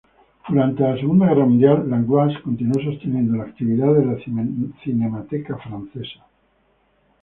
Durante la Segunda Guerra Mundial, Langlois continuó sosteniendo la actividad de la cinemateca francesa.